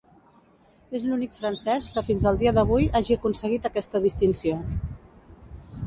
És l'únic francès que fins al dia d'avui hagi aconseguit aquesta distinció.